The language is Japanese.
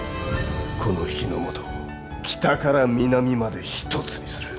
この日ノ本を北から南まで一つにする。